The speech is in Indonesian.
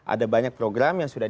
ada banyak program yang sudah